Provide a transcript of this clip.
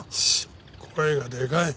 声がでかい！